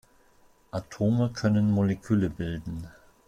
Atome können Moleküle bilden.